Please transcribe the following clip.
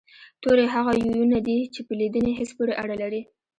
توري هغه يوونونه دي چې په لیدني حس پورې اړه لري